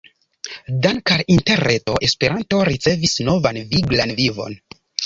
Dank’ al Interreto Esperanto ricevis novan viglan vivon.